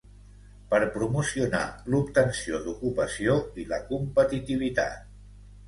per promocionar l'obtenció d'ocupació i la competitivitat